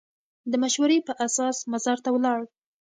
د مشورې په اساس مزار ته ولاړ.